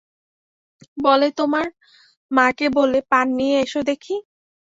বলে, তোমার মাকে বলে পান নিয়ে এসো দেখি?